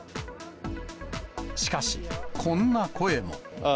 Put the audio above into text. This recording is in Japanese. しかし、こんな声も。